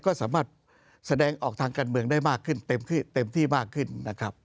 ก็สามารถแสดงออกทางการเมืองได้มากขึ้นเต็มที่มากขึ้นนะครับ